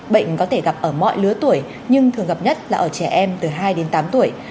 bệnh có thể gặp ở mọi lứa tuổi nhưng thường gặp nhất là ở trẻ em từ hai đến tám tuổi